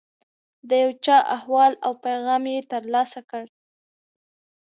د یو چا احوال او پیغام یې ترلاسه کړ.